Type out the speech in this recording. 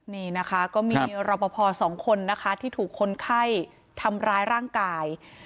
นี่นะคะก็มีรอปภสองคนนะคะที่ถูกคนไข้ทำร้ายร่างกาย